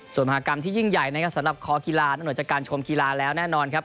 ส่วนมหากรรมที่ยิ่งใหญ่นะครับสำหรับคอกีฬานอกเหนือจากการชมกีฬาแล้วแน่นอนครับ